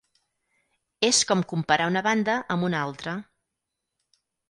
És com comparar una banda amb una altra.